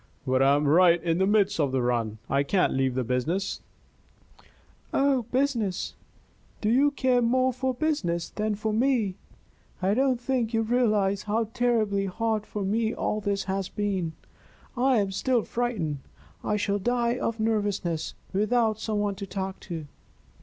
"But I am right in the midst of the run. I can't leave the business." "Oh, business! Do you care more for business than for me? I don't think you realize how terribly hard for me all this has been I'm still frightened. I shall die of nervousness without some one to talk to."